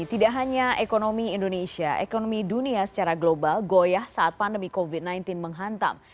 tidak hanya ekonomi indonesia ekonomi dunia secara global goyah saat pandemi covid sembilan belas menghantam